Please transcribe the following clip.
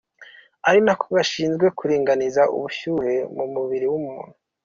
ari nako gashinzwe kuringaniza ubushyuhe mu mubiri w’umuntu.